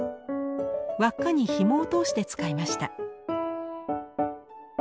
輪っかにひもを通して使いました。